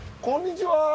こんにちは。